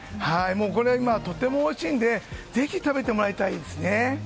今、とてもおいしいのでぜひ食べてもらいたいですね。